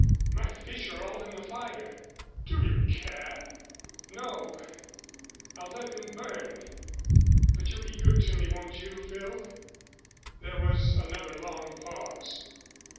My fish are all in the fire." "Do you care?" "No I'll let them burn. But you'll be good to me, won't you, Phil?" There was another long pause.